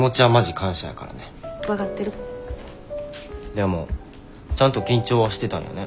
でもちゃんと緊張はしてたんやね。